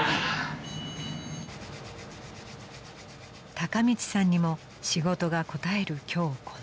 ［孝道さんにも仕事がこたえる今日この頃］